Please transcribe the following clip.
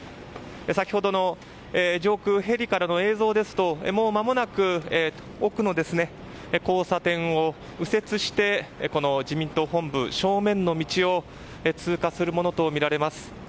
先ほどの上空ヘリからの映像ですともうまもなく、奥の交差点を右折して自民党本部、正面の道を通過するものとみられます。